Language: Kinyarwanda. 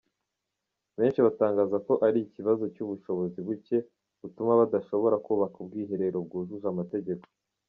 Benshi batangaza ko ari ikibazo cy’ubushobozi buke, butuma badashobora kubaka ubwiherero bwujuje amategeko.